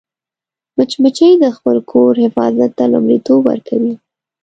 مچمچۍ د خپل کور حفاظت ته لومړیتوب ورکوي